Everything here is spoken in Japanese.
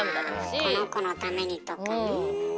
あこの子のためにとかね。